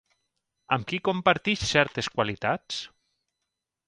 Amb qui comparteix certes qualitats?